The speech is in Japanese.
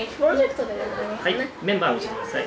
メンバー教えてください。